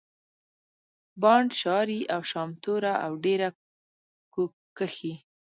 بانډ شاري او شامتوره او ډېره کو کښي